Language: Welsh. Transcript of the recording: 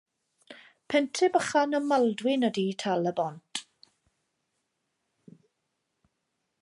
Pentre bychan ym Maldwyn ydy Tal-y-bont.